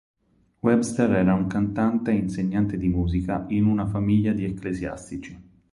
Webster era un cantante e insegnante di musica in una famiglia di ecclesiastici.